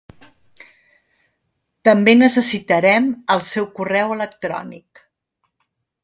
També necessitarem el seu correu electrònic.